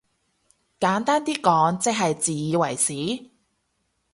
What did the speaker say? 簡單啲講即係自以為是？